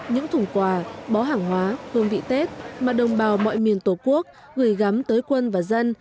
những thùng quà bó hàng hóa hương vị tết mà đồng bào mọi miền tổ quốc gửi gắm tới quân và dân